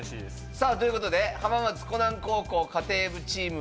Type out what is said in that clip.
さあということで浜松湖南高校家庭部チーム全員ハマった。